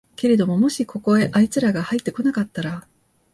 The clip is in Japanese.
けれどももしここへあいつらがはいって来なかったら、